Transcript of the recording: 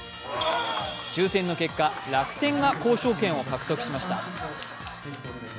抽選の結果、楽天が交渉権を獲得しました。